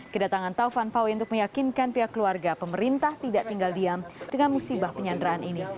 kedatangan taufan pawe untuk meyakinkan pihak keluarga pemerintah tidak tinggal diam dengan musibah penyanderaan ini